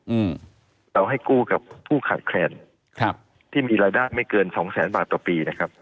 อืมเราให้กู้กับผู้ขาดแคลนครับที่มีรายได้ไม่เกินสองแสนบาทต่อปีนะครับ